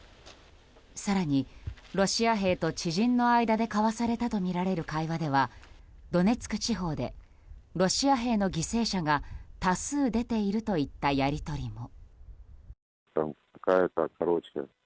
更に、ロシア兵と知人の間で交わされたとみられる会話ではドネツク地方でロシア兵の犠牲者が多数出ているといったやり取りも。